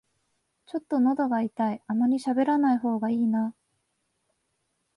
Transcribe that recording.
ちょっとのどが痛い、あまりしゃべらない方がいいな